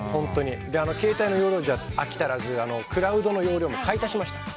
携帯の容量じゃ飽きたらずクラウドの容量も買い足しました。